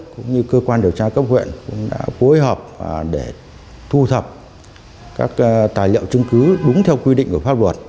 cũng như cơ quan điều tra cấp huyện cũng đã phối hợp để thu thập các tài liệu chứng cứ đúng theo quy định của pháp luật